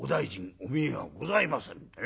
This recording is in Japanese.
お見えがございませんで。